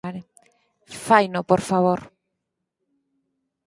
Faino, por favor.